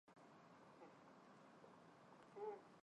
怎么作？